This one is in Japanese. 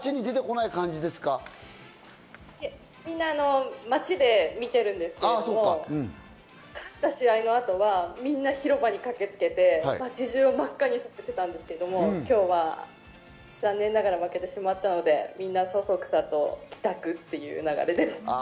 いいえ、みんな街で見てるんですけれども、勝った試合の後はみんな、広場に駆けつけて、街中を真っ赤に染めてたんですけど、今日は残念ながら負けてしまったのでみんな、そそくさと帰宅という流れです。